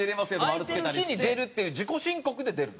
空いてる日に出るっていう自己申告で出るの？